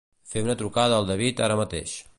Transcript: Fer una trucada al David ara mateix.